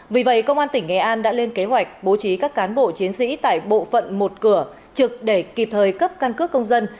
vì vậy công an tỉnh nghệ an đã lên kế hoạch bố trí các cán bộ chiến sĩ tại bộ phận một cửa trực để kịp thời cấp căn cước công dân